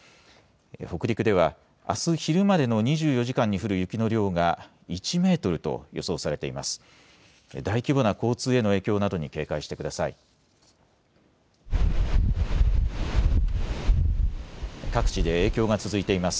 北陸では、あす昼までの２４時間に降る雪の量が１メートルと予想されています。